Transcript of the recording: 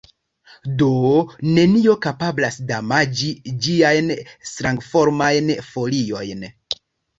Do, nenio kapablas damaĝi ĝiajn strangformajn foliojn.